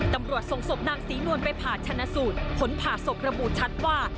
ตำรวจส่งศพนางศรีนวลไปผ่าชนะสูตรผลผ่าศพระบุชัดว่า